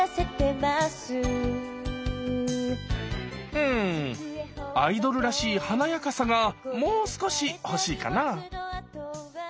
うんアイドルらしい華やかさがもう少し欲しいかな？